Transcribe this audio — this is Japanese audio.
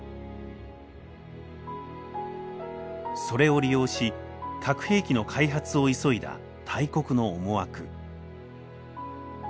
それを利用し核兵器の開発を急いだ大国の思惑。